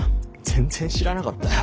全然知らなかったよ。